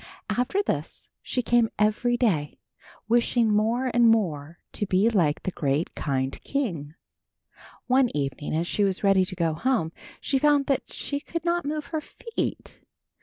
After this, she came every day, wishing more and more to be like the great kind king. One evening as she was ready to go home, she found that she could not move her feet.